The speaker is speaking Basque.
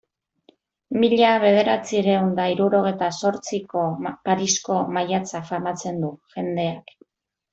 Mila bederatziehun eta hirurogeita zortziko Parisko maiatza famatzen du jendeak.